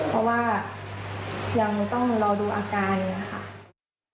เพราะว่ายังต้องรอดูอาการเนี่ยค่ะ